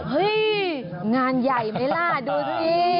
เฮ้ยงานใหญ่ไหมล่ะดูสิ